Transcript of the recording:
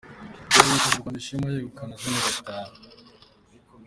yahesheje u Rwanda ishema yegukana Zone Gatanu